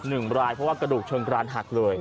เพราะว่ากระดูกเชิงกรรถักเลย